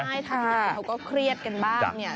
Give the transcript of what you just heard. ใช่ทางอื่นเขาก็เครียดกันบ้างเนี่ย